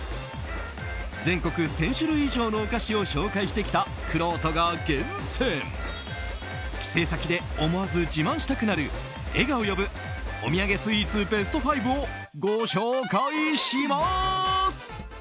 全国１０００種類以上のお菓子を紹介してきたくろうとが厳選帰省先で思わず自慢したくなる笑顔呼ぶお土産スイーツベスト５をご紹介します。